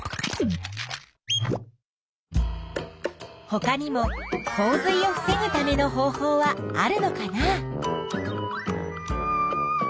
ほかにも洪水を防ぐための方法はあるのかな？